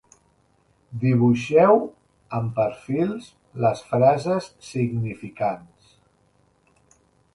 Dibuixeu amb perfils les frases significants.